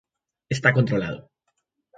Está controlado.